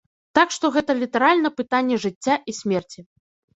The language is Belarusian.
Так што гэта літаральна пытанне жыцця і смерці.